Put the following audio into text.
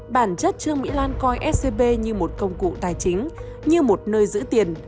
bản chất trương mỹ lan coi scb như một công cụ tài chính như một nơi giữ tiền